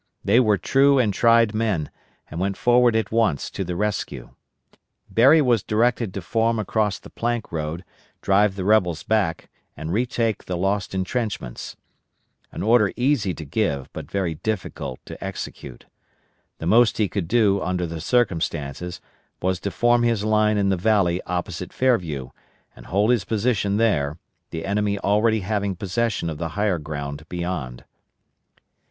They were true and tried men, and went forward at once to the rescue. Berry was directed to form across the Plank Road, drive the rebels back, and retake the lost intrenchments; an order easy to give, but very difficult to execute. The most he could do, under the circumstances, was to form his line in the valley opposite Fairview, and hold his position there, the enemy already having possession of the higher ground beyond.